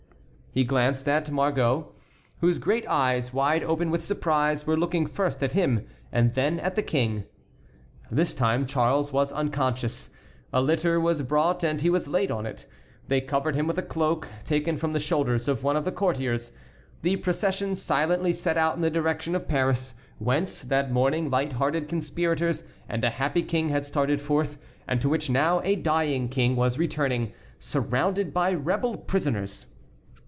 He glanced at Margot, whose great eyes, wide open with surprise, were looking first at him and then at the King. This time Charles was unconscious. A litter was brought and he was laid on it. They covered him with a cloak, taken from the shoulders of one of the courtiers. The procession silently set out in the direction of Paris, whence that morning light hearted conspirators and a happy King had started forth, and to which now a dying King was returning, surrounded by rebel prisoners.